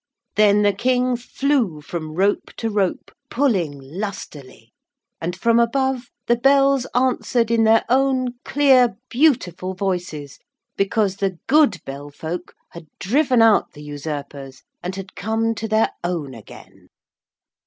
Then the King flew from rope to rope pulling lustily, and from above, the bells answered in their own clear beautiful voices because the good Bell folk had driven out the usurpers and had come to their own again.